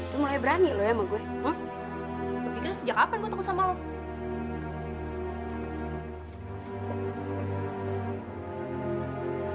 lo mulai berani lo ya sama gue